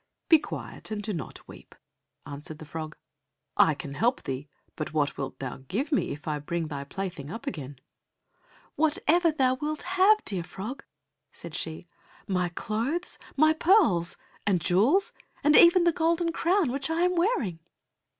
"Be quiet, and do not weep," answered the frog, "I can help thee, but what wilt thou give me if I bring thy plaything up again?" "Whatever thou wilt have, dear frog," said she—"My clothes, my pearls and jewels, and even the golden crown which I am wearing."